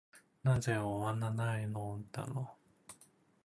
なぜ終わないのだろう。